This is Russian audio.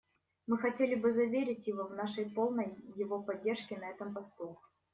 Мы хотели бы заверить его в нашей полной его поддержке на этом посту.